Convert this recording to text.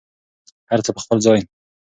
هر څه په خپل ځای.